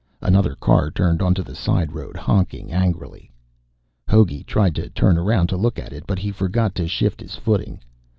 Another car turned onto the side road, honking angrily. Hogey tried to turn around to look at it, but he forgot to shift his footing.